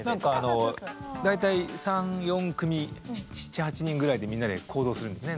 大体３４組７８人ぐらいでみんなで行動するんですね。